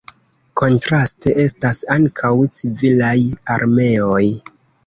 Kontraste estas ankaŭ civilaj armeoj.